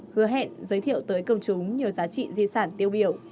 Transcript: hứa hẹn giới thiệu tới công chúng nhiều giá trị di sản tiêu biểu